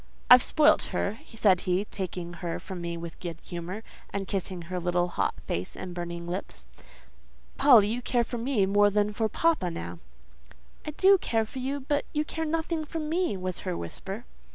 "I've spoilt her," said he, taking her from me with good humour, and kissing her little hot face and burning lips. "Polly, you care for me more than for papa, now—" "I do care for you, but you care nothing for me," was her whisper.